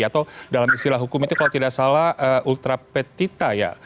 atau dalam istilah hukum itu kalau tidak salah ultra petita ya